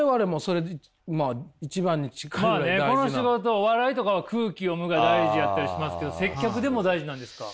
この仕事お笑いとかは空気読むが大事やったりしますけど接客でも大事なんですか？